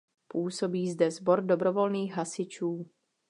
Působí zde Sbor dobrovolných hasičů.